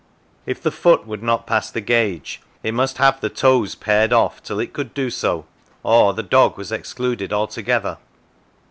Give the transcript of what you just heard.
If the foot would not pass the gauge, it must have the toes pared off till it could do so, or the dog was excluded altogether.